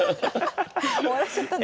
終わっちゃったんだ。